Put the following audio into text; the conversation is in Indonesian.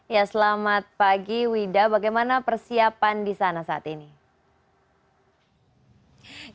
ya selamat pagi wida bagaimana persiapan di sana saat ini